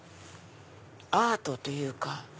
アートというか。